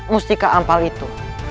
mustika ampal itu